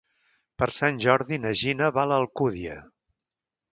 Per Sant Jordi na Gina va a l'Alcúdia.